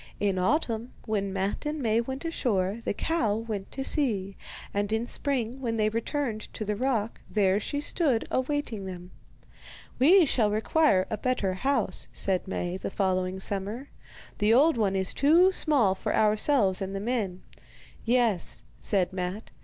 In autumn, when Matte and Maie went ashore, the cow went to sea, and in spring, when they returned to the rock, there she stood awaiting them. 'We shall require a better house,' said Maie the following summer; 'the old one is too small for ourselves and the men.' 'Yes,' said Matte.